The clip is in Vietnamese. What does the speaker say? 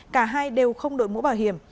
cả hai đều không đội mũ bảo hiểm